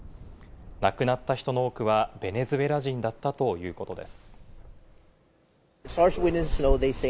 亡くなった人の多くはベネズエラ人だったということです。